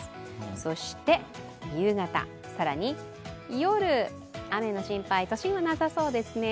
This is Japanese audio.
そして夕方、更に夜、雨の心配、都心はなさそうですね。